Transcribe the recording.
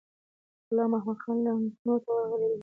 غلام محمدخان لکنهو ته ورغلی دی.